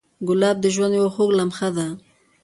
ګلاب د ژوند یو خوږ لمحه ده.